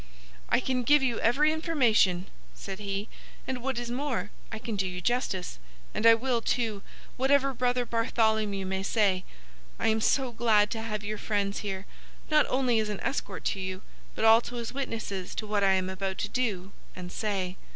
"I can give you every information," said he, "and, what is more, I can do you justice; and I will, too, whatever Brother Bartholomew may say. I am so glad to have your friends here, not only as an escort to you, but also as witnesses to what I am about to do and say.